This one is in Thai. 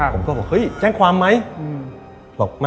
ผมก็บอกเฮ้ยแจ้งความไหม